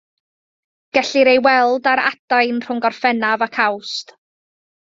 Gellir ei weld ar adain rhwng Gorffennaf ac Awst.